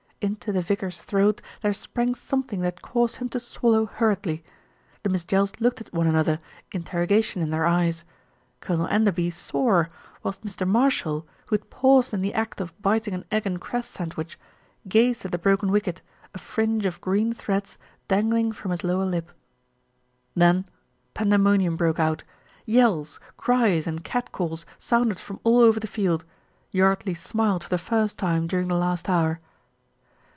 Into the vicar's throat there sprang something that caused him to swallow hurriedly. The Miss Jells looked at one another, interrogation in their eyes. Colonel Enderby swore, whilst Mr. Marshall, who had paused in the act of biting an egg and cress sandwich, gazed at the broken wicket, a fringe of green threads dangling from his lower lip. Then pandemonium broke out. Yells, cries, and cat calls sounded from all over the field. Yardley smiled for the first time during the last hour.